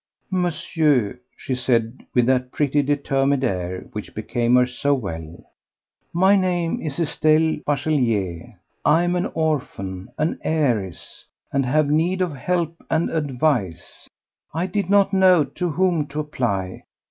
"Monsieur," she said with that pretty, determined air which became her so well, "my name is Estelle Bachelier. I am an orphan, an heiress, and have need of help and advice. I did not know to whom to apply.